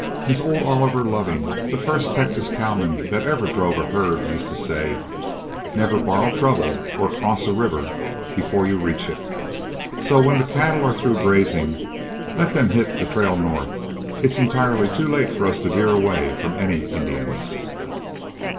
As old Oliver Loving, the first Texas cowman that ever drove a herd, used to say, 'Never borrow trouble, or cross a river before you reach it.' So when the cattle are through grazing, let them hit the trail north. It's entirely too late for us to veer away from any Indians."